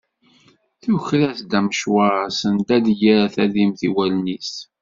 Tuker-as-d amecwar send ad yerr tadimt i wallen-is.